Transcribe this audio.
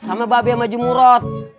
sama babi sama jemurot